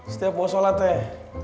setiap mau sholat teh